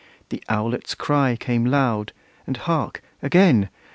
The owlet's cry Came loud and hark, again!